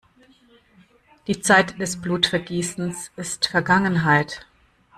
Die Zeit des Blutvergießens ist Vergangenheit!